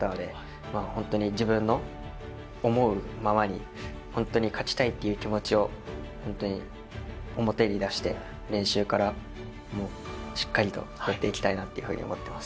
ホントに自分の思うままにホントに勝ちたいっていう気持ちをホントに表に出して練習からもしっかりとやっていきたいなと思ってます。